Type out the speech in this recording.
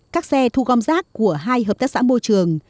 các xe thu gom rác của hai hợp tác xã môi trường